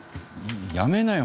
やめなよ